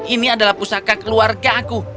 ini adalah pusaka keluargaku